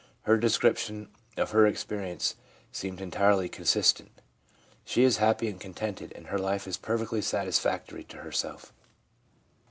Her description of her experience seemed entirely consistent; she is happy and contented, and her life is perfectly satisfactory to herself.